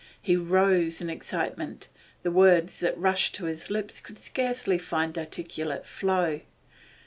He rose in excitement; the words that rushed to his lips could scarcely find articulate flow.